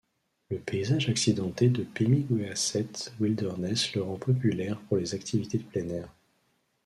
Le paysage accidenté de Pemigewasset Wilderness le rend populaire pour les activités de plein-air.